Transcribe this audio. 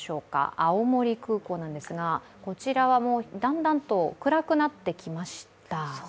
青森空港なんですが、こちらはだんだんと暗くなってきました。